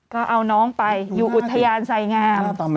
ก็เอาน้องไปอยู่อุทยานไสงาม